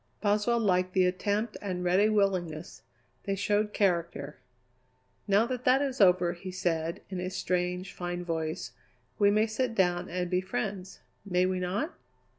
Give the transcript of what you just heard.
Boswell liked the attempt and ready willingness; they showed character. "Now that that is over," he said in his strange, fine voice, "we may sit down and be friends. May we not?"